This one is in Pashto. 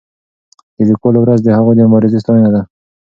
د لیکوالو ورځ د هغوی د مبارزې ستاینه ده.